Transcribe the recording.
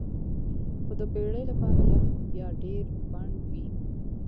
خو د بیړۍ لپاره یخ بیا ډیر پنډ وي